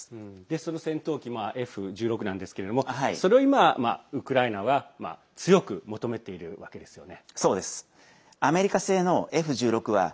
その戦闘機Ｆ１６なんですけれどもそれをウクライナが強く求めているわけですよね。